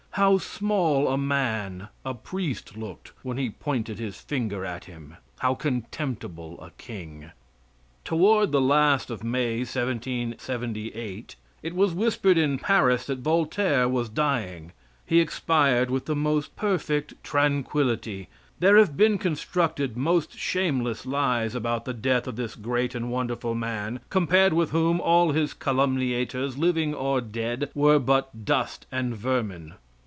How small a man a priest looked when he pointed his finger at him; how contemptible a king. Toward the last of May, 1778, it was whispered in Paris that Voltaire was dying. He expired with the most perfect tranquility. There have been constructed most shameless lies about the death of this great and wonderful man, compared with whom all his calumniators, living or dead, were but dust and vermin.